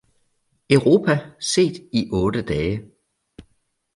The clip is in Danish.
Europa set i otte dage